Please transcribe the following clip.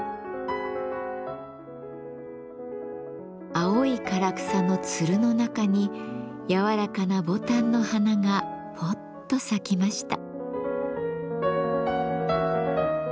青い唐草の蔓の中に柔らかな牡丹の花がぽっと咲きました。